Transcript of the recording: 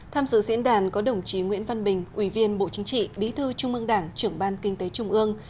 tham dự diễn đàn có đồng chí nguyễn văn bình ủy viên bộ chính trị bí thư trung ương đảng trưởng ban kinh tế trung ương